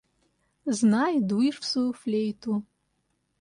Знай дуешь в свою флейту!